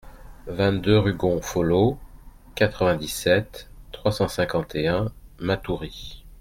vingt-deux rue Gonfolo, quatre-vingt-dix-sept, trois cent cinquante et un, Matoury